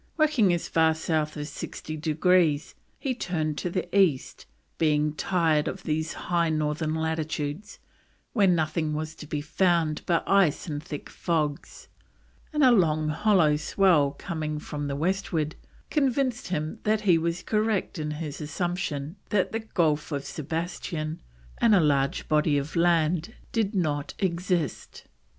Working as far south as 60 degrees, he turned to the east, being "tired of these high southern latitudes where nothing was to be found but ice and thick fogs," and a long hollow swell coming from the westward convinced him that he was correct in his assumption that the Gulf of Sebastian and a large body of land did not exist.